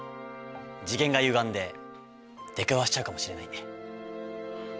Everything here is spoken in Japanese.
次元がゆがんで出くわしちゃうかもしれないんで。